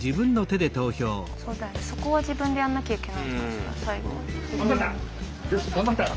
そこは自分でやんなきゃいけないのかしら最後は。